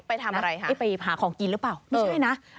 ไปทำอะไรไปหาของกินหรือเปล่าไม่ใช่นะ